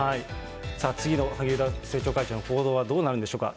次の萩生田政調会長の行動はどうなるんでしょうか。